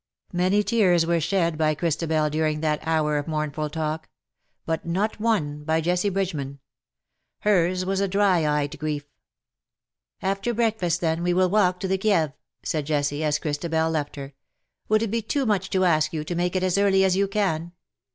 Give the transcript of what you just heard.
Many tears were shed by Christa bel during that hour of mournful talk ; but not one by Jessie Bridgeman. Hers was a dry eyed grief. " After breakfast then we will walk to the Kieve,'^ said Jessie, as Christabel left her. ^^ Would it be too much to ask you to make it as early as you can